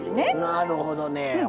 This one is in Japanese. なるほどね。はあ。